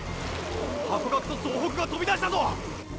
ハコガクと総北がとびだしたぞ！